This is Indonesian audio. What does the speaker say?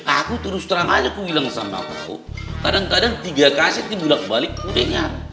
aku terus terang aja kau hilang sama aku kadang kadang tiga kasih dibulak balik aku dengar